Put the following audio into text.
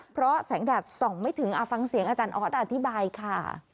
เพราะแสงแดดส่องไม่ถึงฟังเสียงอาจารย์ออสอธิบายค่ะ